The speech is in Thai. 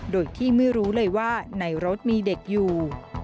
โดยที่ไม่รู้เลยว่าในรถมีเด็กอยู่